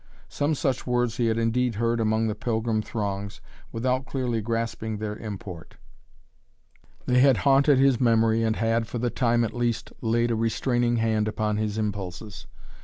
Some such words he had indeed heard among the pilgrim throngs without clearly grasping their import. They had haunted his memory and had, for the time at least, laid a restraining hand upon his impulses.